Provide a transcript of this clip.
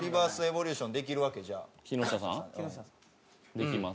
できます。